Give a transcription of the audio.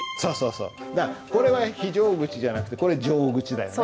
だからこれは非常口じゃなくてこれ常口だよね？